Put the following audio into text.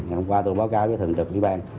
hôm qua tôi báo cáo với thường trực ủy ban